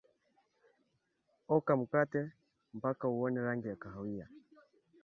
oka mkatempaka uone rangi ya kahawia